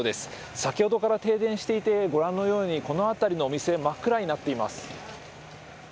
先ほどから停電していてご覧のようにこの辺りのお店、真っ暗になっています。